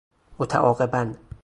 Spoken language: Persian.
متعاقباً